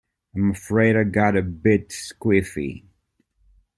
I’m afraid I got a bit squiffy.